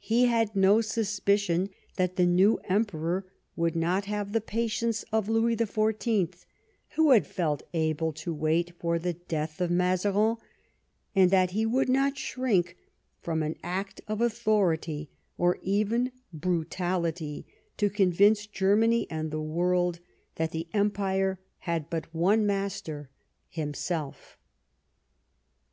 He had no suspicion that the new Emperor would not have the patience of Louis XIV, who had felt able to wait for the death of Mazarin, and that he would not shrink from an act of authority, or even brutaUty, to convince Germany and the world that the Empire had but one master, himself.